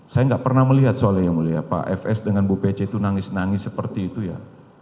saya nggak pernah melihat soalnya yang mulia pak fs dengan bu pece itu nangis nangis seperti itu ya